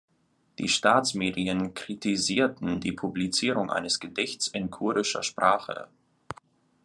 Die Staatsmedien kritisierten die Publizierung eines Gedichts in kurdischer Sprache.